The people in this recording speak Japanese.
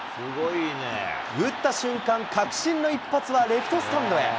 打った瞬間、確信の一発はレフトスタンドへ。